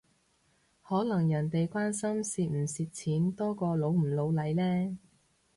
可能人哋關心蝕唔蝕錢多過老唔老嚟呢？